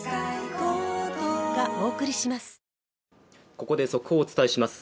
ここで速報をお伝えします。